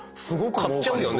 買っちゃうよね。